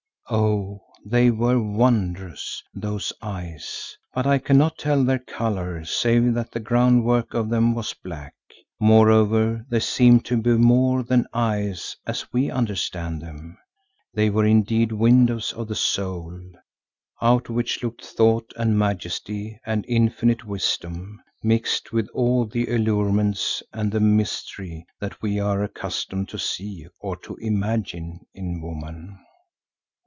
Oh, they were wondrous, those eyes, but I cannot tell their colour save that the groundwork of them was black. Moreover they seemed to be more than eyes as we understand them. They were indeed windows of the soul, out of which looked thought and majesty and infinite wisdom, mixed with all the allurements and the mystery that we are accustomed to see or to imagine in woman.